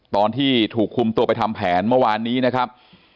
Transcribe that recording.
ตอนที่ถูกคุมตัวไปทำแผนเมื่อวานนี้นะครับ